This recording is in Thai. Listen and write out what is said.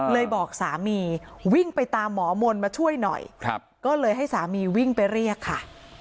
บอกสามีวิ่งไปตามหมอมนต์มาช่วยหน่อยก็เลยให้สามีวิ่งไปเรียกค่ะ